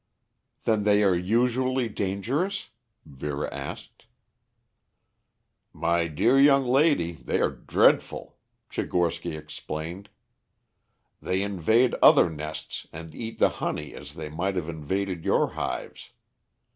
"Then they are usually dangerous?" Vera asked. "My dear young lady, they are dreadful," Tchigorsky explained. "They invade other nests and eat the honey as they might have invaded your hives.